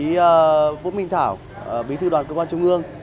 đồng chí vũ minh thảo bí thư đoàn cơ quan trung ương